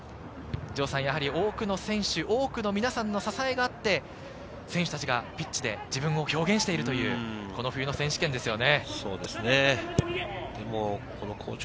多くの選手、多くの皆さんの支えがあって選手たちがピッチで自分も表現しているという冬の選手権ですね。